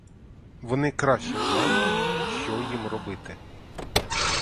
Вони краще знають, що їм робити.